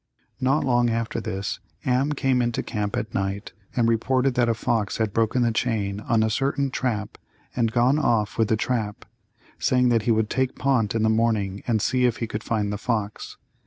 Not long after this Am came into camp at night and reported that a fox had broken the chain on a certain trap and gone off with the trap, saying that he would take Pont in the morning and see if he could find the fox.